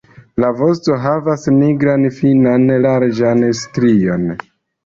La vosto havas nigran finan larĝan strion.